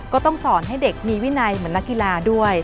ก็ต้องสอนให้เด็กมีวินัยเหมือนนักกีฬาด้วย